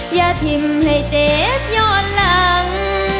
อย่าทิ้มให้เจ๊ย้อนหลัง